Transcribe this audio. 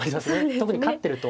特に勝ってると。